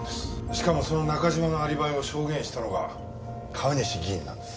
しかもその中島のアリバイを証言したのが川西議員なんです。